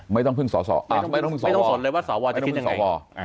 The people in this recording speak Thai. ไม่ต้องสนเลยว่าสอวรจะคิดยังไง